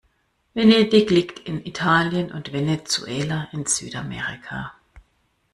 Venedig liegt in Italien und Venezuela in Südamerika.